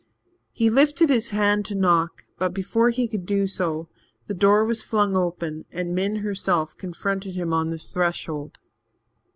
He lifted his hand to knock, but before he could do so, the door was flung open and Min herself confronted him on the threshold.